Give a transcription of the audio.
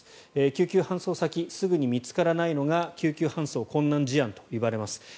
救急搬送先がすぐに見つからないのが救急搬送困難事案といわれます。